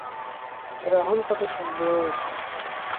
রাহুল কতো সুন্দর!